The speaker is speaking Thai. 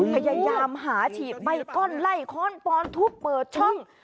พยายามหาฉีดใบก้อนไล่ค้อนปอนทุบเปิดช่อง